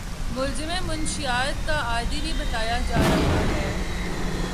ملزم مشیات کا عادی بھی بتایا جا رہا ہے